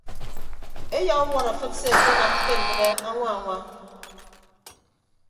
Eyauwọt afịt se akenam ke ndịbe añwa añwa.